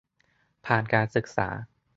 ผ่านการศึกษา